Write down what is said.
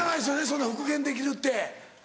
そんな復元できるって。